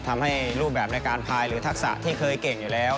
ทำให้รูปแบบในการพายหรือทักษะที่เคยเก่งอยู่แล้ว